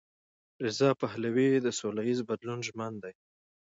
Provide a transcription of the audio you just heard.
رضا پهلوي د سولهییز بدلون ژمن دی.